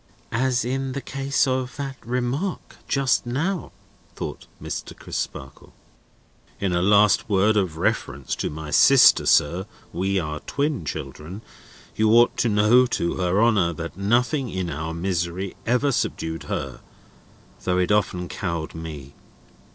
"As in the case of that remark just now," thought Mr. Crisparkle. "In a last word of reference to my sister, sir (we are twin children), you ought to know, to her honour, that nothing in our misery ever subdued her, though it often cowed me.